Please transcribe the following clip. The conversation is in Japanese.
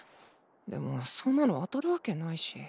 でもそんなの当たるわけないし。